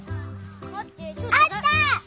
あった！